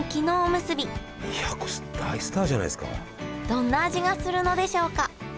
どんな味がするのでしょうか？